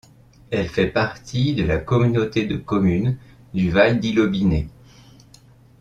Elle fait partie de la communauté de communes du Val d'Ille-Aubigné.